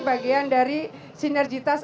bagian dari sinerjitas